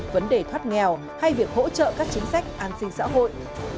vấn đề thoát nghèo hay việc hỗ trợ các chính sách an sinh xã hội